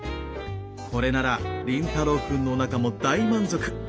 これなら凛太郎くんのおなかも大満足。